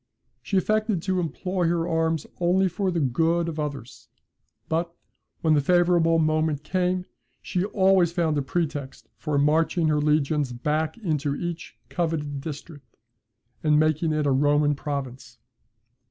She affected to employ her arms only for the good of others; but, when the favourable moment came, she always found a pretext for marching her legions back into each coveted district, and making it a Roman province.